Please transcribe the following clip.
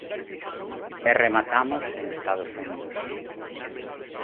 E rematamos en Estados Unidos.